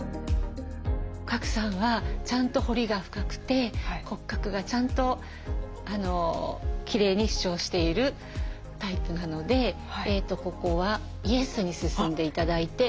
賀来さんはちゃんと彫りが深くて骨格がちゃんときれいに主張しているタイプなのでここはイエスに進んで頂いて。